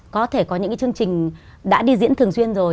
có thể có những cái chương trình đã đi diễn thường xuyên rồi